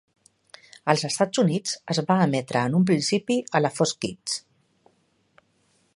Als Estats Units, es va emetre en un principi a la Fox Kids.